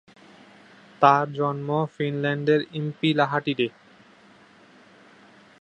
তার জন্ম ফিনল্যান্ডের ইম্পিলাহাটিতে।